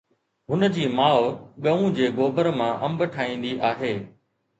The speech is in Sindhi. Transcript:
هن جي ماءُ ڳئون جي گوبر مان انب ٺاهيندي آهي